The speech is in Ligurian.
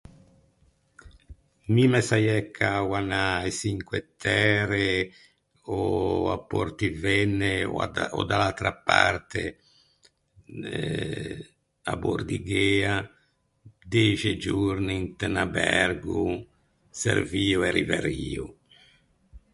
Mi me saiæ cao anâ a-e Çinque Tære, ò à Portivenne, ò da l'atra parte, à Bordighea, dexe giorni inte un abergo, servio e riverio.